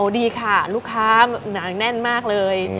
ดีค่ะลูกค้าหนาแน่นมากเลย